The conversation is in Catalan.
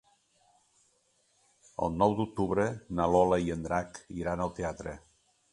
El nou d'octubre na Lola i en Drac iran al teatre.